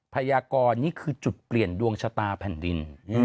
พยากรนี่คือจุดเปลี่ยนดวงชะตาแผ่นดิน